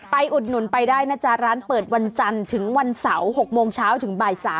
อุดหนุนไปได้นะจ๊ะร้านเปิดวันจันทร์ถึงวันเสาร์๖โมงเช้าถึงบ่าย๓